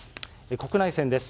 国内線です。